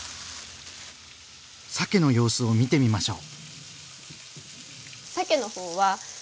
さけの様子を見てみましょう。